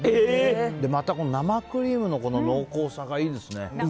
また、生クリームの濃厚さがいいですね。